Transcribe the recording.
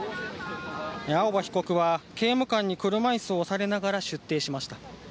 青葉被告は、刑務官に車いすを押されながら出廷しました。